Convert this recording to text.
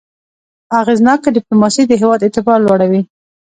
اغېزناکه ډيپلوماسي د هېواد اعتبار لوړوي.